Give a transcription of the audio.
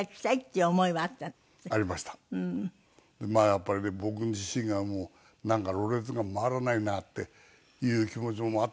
やっぱりね僕自身がもうなんかろれつが回らないなっていう気持ちもあったしね